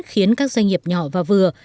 khiến các doanh nghiệp nhỏ và vừa